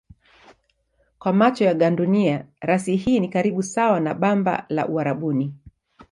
Kwa macho ya gandunia rasi hii ni karibu sawa na bamba la Uarabuni.